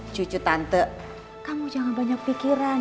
cucu tante kamu jangan banyak pikiran